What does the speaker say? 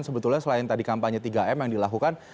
sebetulnya selain tadi kampanye tiga m yang dilakukan